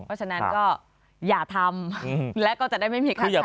เพราะฉะนั้นก็อย่าทำและจะได้ไม่ผิดขัดที่ถ่ายคลิป